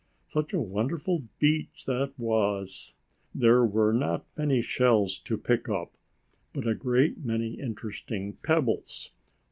Such a wonderful beach that was! There were not many shells to pick up, but a great many interesting pebbles.